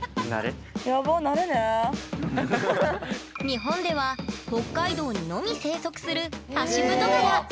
日本では北海道にのみ生息するハシブトガラ。